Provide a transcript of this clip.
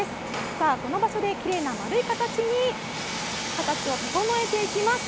さあ、この場所できれいな丸い形に形を整えていきます。